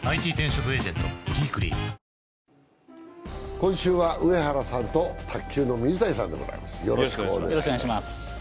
今週は上原さんと、卓球の水谷さんでございます。